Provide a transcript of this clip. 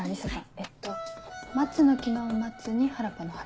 えっと松の木の「松」に原っぱの「原」。